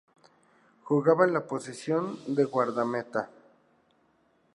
Jugaba en la posición de guardameta.